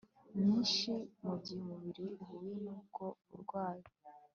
nyinshi mu gihe umubiri uhuye nubwo burwayi